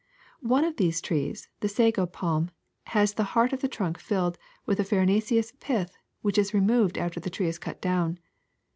One of these trees, the sago palm, has the heart of the trunk filled with a farinaceous pith which is removed after the tree is cut down.